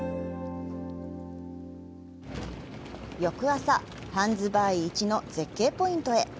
翌朝、ハンズバーイ一の絶景ポイントへ。